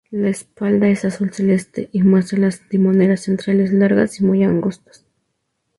La espalda es azul celeste, y muestra las timoneras centrales largas y muy angostas.